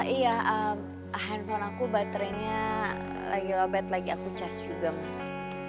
iya handphone aku baterainya lagi obat lagi aku cash juga mas